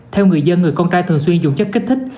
theo người dân người con trai thường xuyên dùng chất kích thích